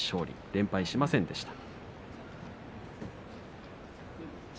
連敗しませんでした。